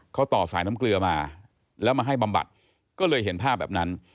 เขาต่อสายน้ำเกลือมาแล้วมาให้บำบัดก็เลยเห็นภาพแบบนั้น